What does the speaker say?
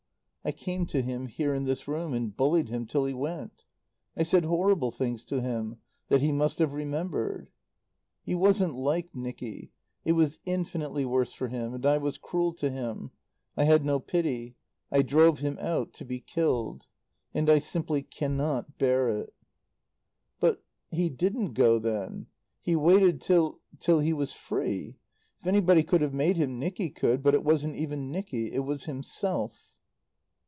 I came to him, here, in this room, and bullied him till he went. I said horrible things to him that he must have remembered. "He wasn't like Nicky it was infinitely worse for him. And I was cruel to him. I had no pity. I drove him out to be killed. "And I simply cannot bear it." "But he didn't go then. He waited till till he was free. If anybody could have made him, Nicky could. But it wasn't even Nicky. It was himself."